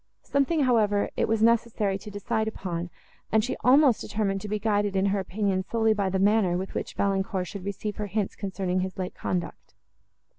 Something, however, it was necessary to decide upon, and she almost determined to be guided in her opinion solely by the manner, with which Valancourt should receive her hints concerning his late conduct.